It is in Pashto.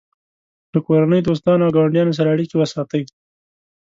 له کورنۍ، دوستانو او ګاونډیانو سره اړیکې وساتئ.